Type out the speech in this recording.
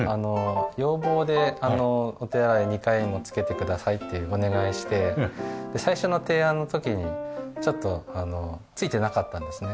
要望で「お手洗い２階にもつけてください」ってお願いして最初の提案の時にちょっとついてなかったんですね。